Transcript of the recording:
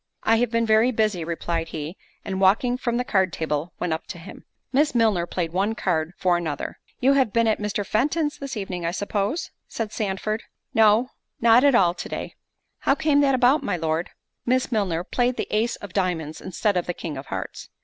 "I have been very busy," replied he, and walking from the card table, went up to him. Miss Milner played one card for another. "You have been at Mr. Fenton's this evening, I suppose?" said Sandford. "No; not at all to day." "How came that about, my Lord?" Miss Milner played the ace of diamonds instead of the king of hearts.